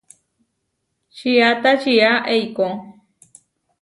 Čiata čiá eikó.